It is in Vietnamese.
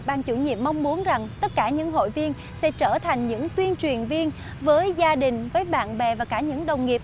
ban chủ nhiệm mong muốn rằng tất cả những hội viên sẽ trở thành những tuyên truyền viên với gia đình với bạn bè và cả những đồng nghiệp